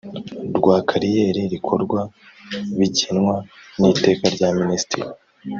Rwa kariyeri rikorwa bigenwa n iteka rya minisitiri